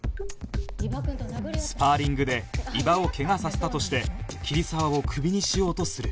スパーリングで伊庭を怪我させたとして桐沢をクビにしようとする